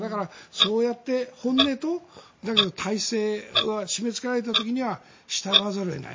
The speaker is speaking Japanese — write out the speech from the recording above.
そうやって本音と体制が締めつけられた時には従わざるを得ない。